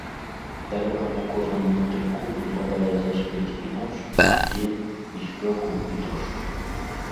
Далёка не кожнаму матыльку выпадае заспець і ноч, і дзень, і спёку і дождж.